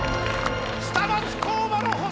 下町工場の星！